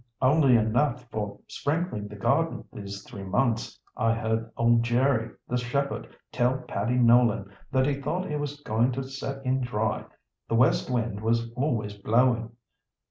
"Only enough for sprinkling the garden these three months. I heard old Jerry, the shepherd, tell Paddy Nolan that he thought it was going to set in dry—the west wind was always blowing.